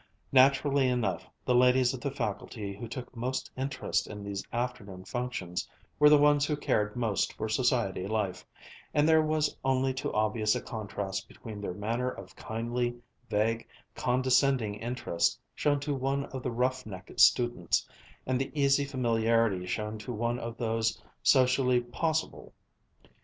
Naturally enough, the ladies of the faculty who took most interest in these afternoon functions were the ones who cared most for society life, and there was only too obvious a contrast between their manner of kindly, vague, condescending interest shown to one of the "rough neck" students, and the easy familiarity shown to one of those socially "possible."